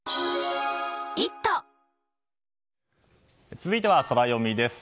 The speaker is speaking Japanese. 続いてはソラよみです。